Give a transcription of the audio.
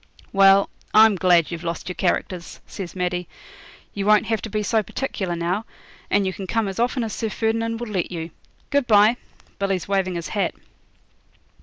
'Well, I'm glad you've lost your characters,' says Maddie. 'You won't have to be so particular now, and you can come as often as Sir Ferdinand will let you. Good bye. Billy's waving his hat.'